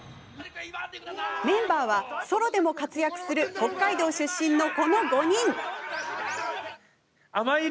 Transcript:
メンバーはソロでも活躍する北海道出身のこの５人。